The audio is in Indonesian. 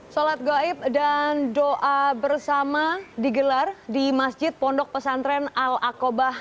sholat gaib dan doa bersama digelar di masjid pondok pesantren al akobah